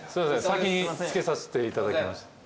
先につけさせていただきました。